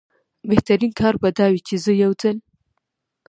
بهترین کار به دا وي چې زه یو ځل.